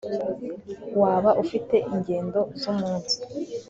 waba ufite ingendo zumunsi